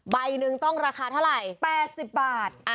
ใบหนึ่งต้องราคาเท่าไหร่๘๐บาท